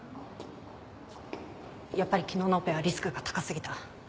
やっぱり昨日のオペはリスクが高すぎた。